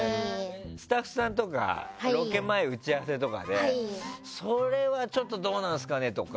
スタッフさんとかロケ前打ち合わせとかでそれはちょっとどうなんですかねとか。